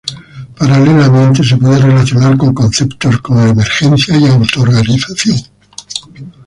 Paralelamente se puede relacionar con conceptos como emergencia y autoorganización.